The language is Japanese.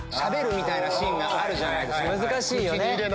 難しいよね。